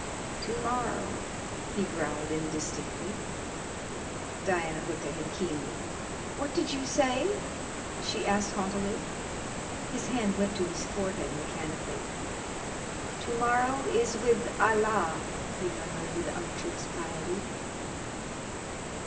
"To morrow " he growled indistinctly. Diana looked at him keenly. "What did you say?" she asked haughtily. His hand went to his forehead mechanically. "To morrow is with Allah!" he murmured with unctuous piety.